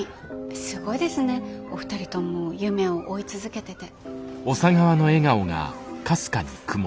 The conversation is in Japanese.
すごいですねお二人とも夢を追い続けてて。